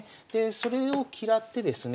それを嫌ってですね